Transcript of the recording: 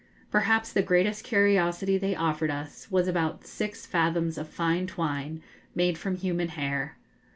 Perhaps the greatest curiosity they offered us was about six fathoms of fine twine, made from human hair.